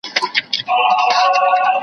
رواني او پای یې هیچا ته څرګند نه دی .